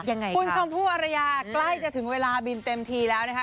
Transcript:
ยังไงคุณชมพู่อรยาใกล้จะถึงเวลาบินเต็มทีแล้วนะคะ